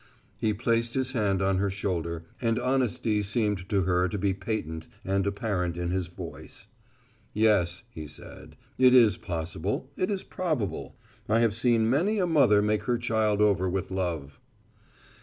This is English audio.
He placed his hand on her shoulder, and honesty seemed to her to be patent and apparent in his voice. "Yes," he said, "it is possible, it is probable. I have seen many a mother make her child over with love."